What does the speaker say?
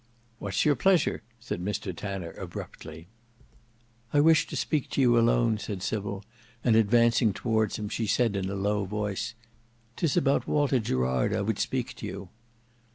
"What's your pleasure?" said Mr Tanner abruptly. "I wish to speak to you alone," said Sybil: and advancing towards him she said in a low voice, "'Tis about Walter Gerard I would speak to you."